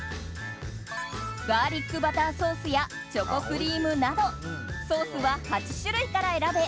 ガーリックバターソースやチョコクリームなどソースは８種類から選べ